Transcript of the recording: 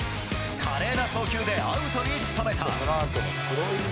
華麗な送球でアウトに仕留めた。